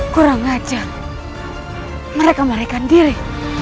kurang ajar mereka mereka sendiri